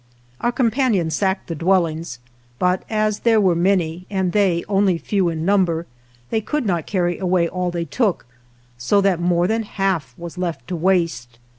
40 Our companions sacked the dwellings, but as there were many and they only few in number, they could not carry away all they took, so that more than half was left to waste.